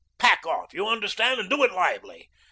Pack off, you understand and do it lively.